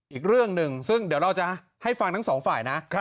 อีกเรื่องหนึ่งซึ่งเดี๋ยวเราจะให้ฟังทั้งสองฝ่ายนะ